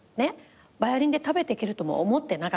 ヴァイオリンで食べていけるとも思ってなかった。